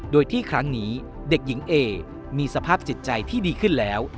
โดยที่ครั้งนี้เด็กหญิงเอมีสภาพจิตใจที่ดีขึ้นแล้ว